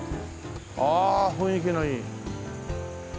ああ雰囲気のいい。